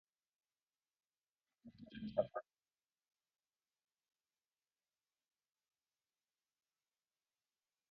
Está compuesta por las comunas de Conchalí, Huechuraba, Independencia, Recoleta y Quilicura.